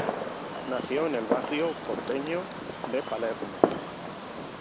Nació en el barrio porteño de Palermo.